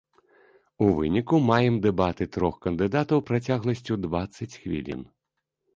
У выніку, маем дэбаты трох кандыдатаў працягласцю дваццаць хвілін.